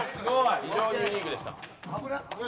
非常にユニークでした。